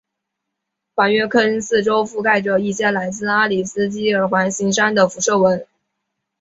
环陨坑四周覆盖着一些来自阿里斯基尔环形山的辐射纹。